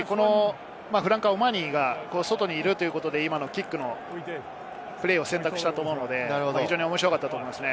フランカー、オマーニーが外にいるということで、キックのプレーを選択したと思うので、面白かったと思います。